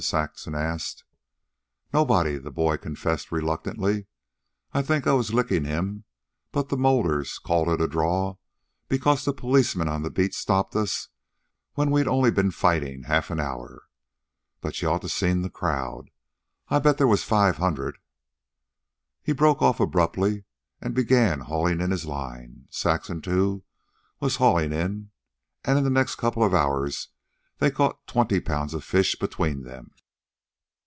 Saxon asked. "Nobody," the boy confessed reluctantly. "I think I was lickin' him, but the molders called it a draw because the policeman on the beat stopped us when we'd only ben fightin' half an hour. But you ought to seen the crowd. I bet there was five hundred " He broke off abruptly and began hauling in his line. Saxon, too, was hauling in. And in the next couple of hours they caught twenty pounds of fish between them.